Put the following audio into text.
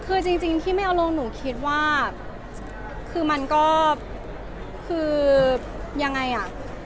คือจริงที่ไม่เอาลงหนูคิดว่าคือมันก็คือยังไงอ่ะ